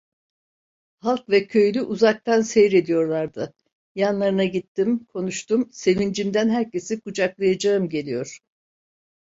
Halk ve köylü uzaktan seyrediyorlardı, yanlarına gittim, konuştum, sevincimden herkesi kucaklayacağım geliyor.